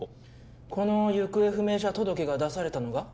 この行方不明者届が出されたのが？